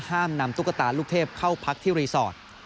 ห้ามนำตุ๊กตาลูกเทพเข้าพักที่รีสอร์ท